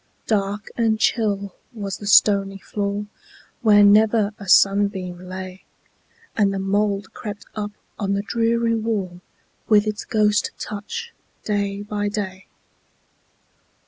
Dark and chill was the stony floor, Where never a sunbeam lay, And the mould crept up on the dreary wall, With its ghost touch, day by day.